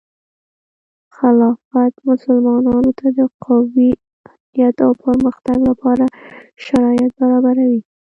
خلافت مسلمانانو ته د قوي امنیت او پرمختګ لپاره شرایط برابروي.